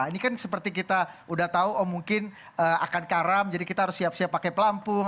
ini kan seperti kita udah tahu oh mungkin akan karam jadi kita harus siap siap pakai pelampung